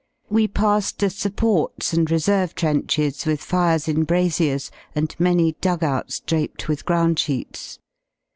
We passed the supports and reserve trenches with fires in braziers and many dugouts draped with groundsheets.